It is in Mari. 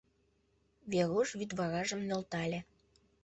— Веруш вӱдваражым нӧлтале.